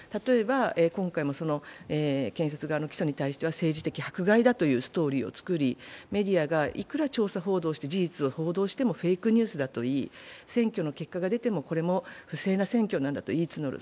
今回も検察側の起訴に対しては政治的な迫害だというストーリーを作り、メディアがいくら調査報道して、事実を報道してもフェイクニュースだと言い、選挙の結果が出てもこれは不正な選挙だといいつねる。